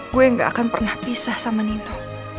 gue gak akan pernah pisah sama nino